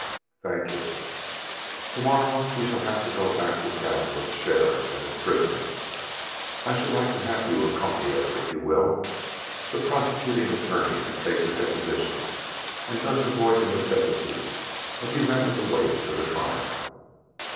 "Thank you." "To morrow we shall have to go back to town with the sheriff and his prisoner. I should like to have you accompany us if you will. The prosecuting attorney can take your deposition and thus avoid the necessity of your having to wait for the trial.